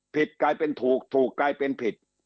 กลายเป็นถูกถูกกลายเป็นผิด